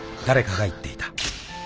［誰かが言っていた］